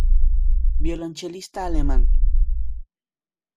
Violonchelista alemán.